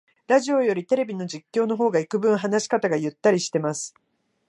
ラジオよりテレビの実況の方がいくぶん話し方がゆったりしてます